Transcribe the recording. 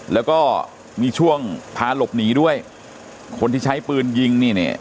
แล้วก็มีช่วงพาหลบหนีด้วยคนที่ใช้ปืนยิงนี่เนี่ย